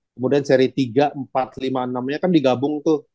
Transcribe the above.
kemudian seri tiga empat lima enam nya kan digabung tuh